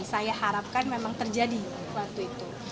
saya harapkan memang terjadi waktu itu